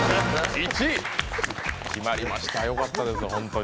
１位、決まりました、良かったです。